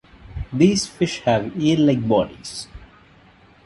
These fish have eel-like bodies.